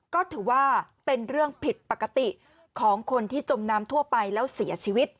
ก็ถือว่าเป็นเรื่องผิดปกติของคนที่จมน้ำทั่วไปแล้วเสียชีวิต